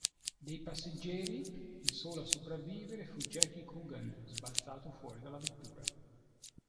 Dei passeggeri il solo a sopravvivere fu Jackie Coogan, sbalzato fuori dalla vettura.